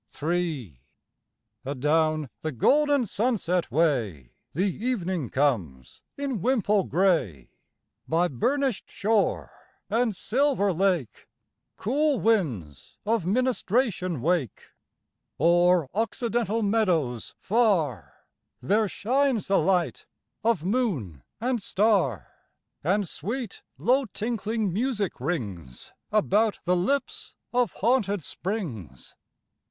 Ill Adown the golden sunset way The evening comes in wimple gray; By burnished shore and silver lake Cool winds of ministration wake; O'er occidental meadows far There shines the light of moon and star, And sweet, low tinkling music rings About the lips of haunted springs.